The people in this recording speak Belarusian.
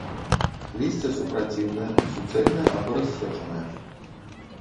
Лісце супраціўнае, суцэльнае або рассечанае.